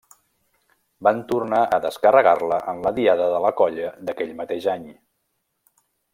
Van tornar a descarregar-la en la Diada de la Colla d'aquell mateix any.